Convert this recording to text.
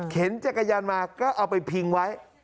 จักรยานมาก็เอาไปพิงไว้